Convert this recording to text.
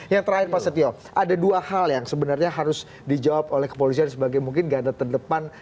yang terakhir pak setio ada dua hal yang sebenarnya harus dijawab oleh kepolisian sebagai mungkin ganda terdepan